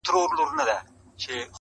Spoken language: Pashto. ستا سندريز روح چي په موسکا وليد، بل~